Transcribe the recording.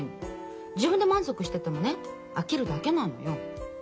自分で満足しててもね飽きるだけなのよ。